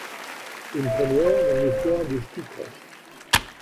Une première dans l'histoire du skicross.